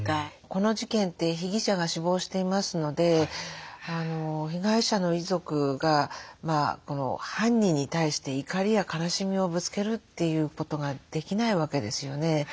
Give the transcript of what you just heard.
この事件って被疑者が死亡していますので被害者の遺族が犯人に対して怒りや悲しみをぶつけるということができないわけですよね。